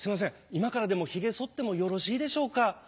今からでもひげ剃ってもよろしいでしょうか？